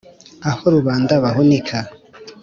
aho rubanda bahunika